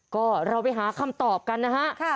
ก็เราไปหาคำตอบกันนะฮะ